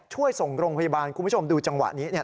ช่วยส่งโรงพยาบาลคุณผู้ชมดูจังหวะนี้เนี่ย